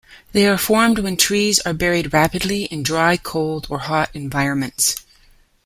They are formed when trees are buried rapidly in dry cold or hot environments.